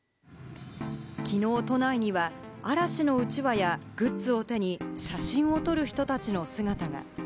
きのう都内には、嵐のうちわやグッズを手に写真を撮る人たちの姿が。